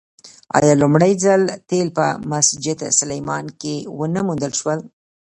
آیا لومړی ځل تیل په مسجد سلیمان کې ونه موندل شول؟